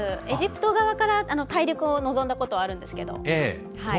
エジプト側から大陸を望んだことはあるんですけど。